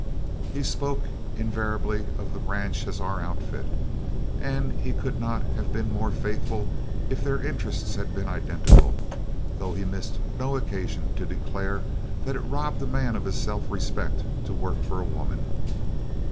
He spoke invariably of the ranch as "Our Outfit" and he could not have been more faithful if their interests had been identical, though he missed no occasion to declare that it robbed a man of his self respect to work for a woman.